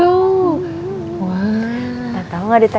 tau gak di texas itu terkenalnya apa